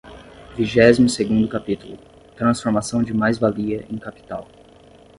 Vigésimo segundo capítulo. Transformação de mais-valia em capital